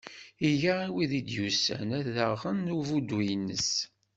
Iga i wid i d-yusan ad t-aɣen abuddu-ines.